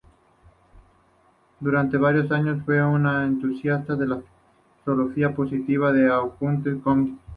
Durante varios años fue un entusiasta de la filosofía positivista de Auguste Comte.